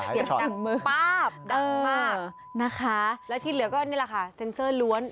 เสียงดังมือป๊าบดังมากนะคะแล้วที่เหลือก็นี่แหละค่ะเซ็นเซอร์ล้วน